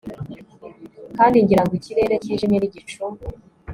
Kandi ngira ngo ikirere cyijimye nigicu